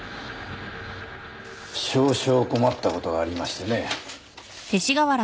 少々困った事がありましてね。